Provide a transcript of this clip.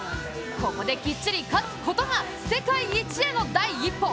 ここできっちり勝つことが世界一への第一歩。